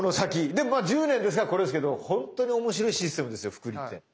でもまあ１０年ですからこれですけど本当に面白いシステムですよ複利って。